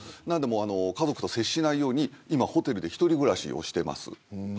なので家族と接しないようにホテルで一人暮らししてます。